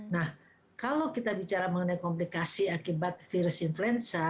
nah kalau kita bicara mengenai komplikasi akibat virus influenza